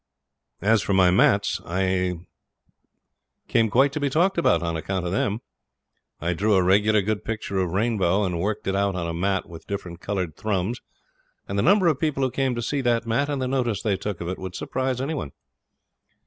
As for my mats, I came quite to be talked about on account of 'em. I drew a regular good picture of Rainbow, and worked it out on a mat with different coloured thrums, and the number of people who came to see that mat, and the notice they took of it, would surprise any one.